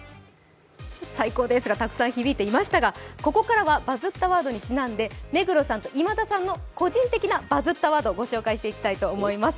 「最高です！」がたくさん響いていましたが、ここからは、バズったワードにちなんで、目黒さんと今田さんの個人的なバズったワードを御紹介していきたいと思います。